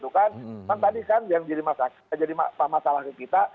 kan tadi kan yang jadi masalah kita